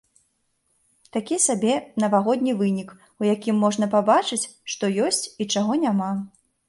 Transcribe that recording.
Такі сабе навагодні вынік, у якім можна пабачыць, што ёсць і чаго няма.